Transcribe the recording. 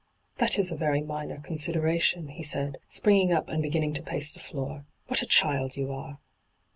' That is a very minor consideration,' he said, springing up and beginning to pace the floor. ' What a child you are